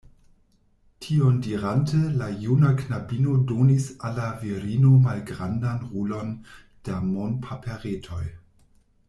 Tion dirante, la juna knabino donis al la virino malgrandan rulon da monpaperetoj.